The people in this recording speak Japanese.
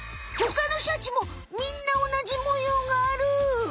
ほかのシャチもみんなおなじもようがある。